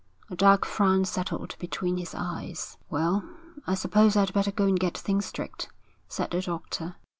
A dark frown settled between his eyes. 'Well, I suppose I'd better go and get things straight,' said the doctor.